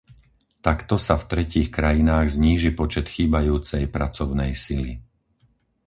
Takto sa v tretích krajinách zníži počet chýbajúcej pracovnej sily.